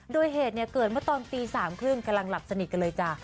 โดยเหตุเกิดว่าตอนตีสามครึ่งกำลังหลับสนิทกันเลยจ้ะ